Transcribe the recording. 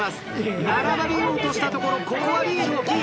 並ばれようとしたところここはリードをキープ。